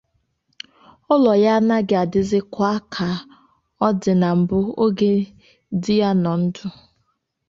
ụlọ ya anaghị adịzịkwa ka ọ dị na mbụ oge di ya nọ ndụ